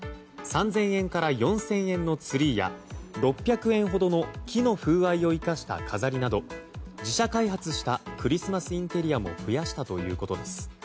３０００円から４０００円のツリーや６００円ほどの木の風合いを生かした飾りなど自社開発したクリスマスインテリアも増やしたということです。